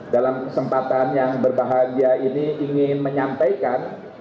dalam kesempatan yang berbahagia ini ingin menyampaikan